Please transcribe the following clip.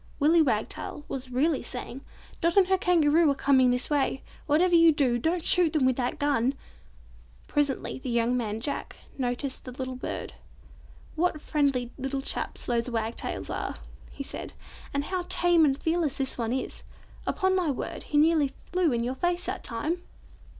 Willy Wagtail was really saying, "Dot and her Kangaroo are coming this way. Whatever you do, don't shoot them with that gun." Presently the young man, Jack, noticed the little bird. "What friendly little chaps those wagtails are," he said, "and see how tame and fearless this one is. Upon my word, he nearly flew in your face that time!"